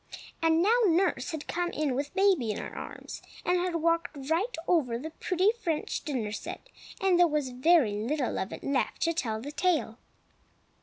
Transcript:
And now nurse had come in with baby in her arms, and had walked right over the pretty French dinner set, and there was very little of it left to tell the tale.